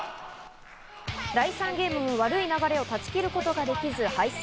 第３ゲームも悪い流れを断ち切ることができず敗戦。